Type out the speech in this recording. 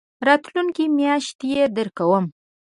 راتلونکې میاشت يي درکوم